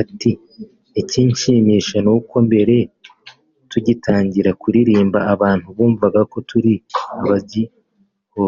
ati “Icyinshimisha nuko mbere tugitangira kuririmba abantu bumvaga ko turi basagihobe